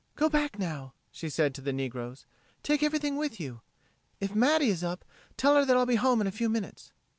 "Go back now," she said to the negroes. "Take everything with you. If Matty is up, tell her that I'll be home in a few minutes."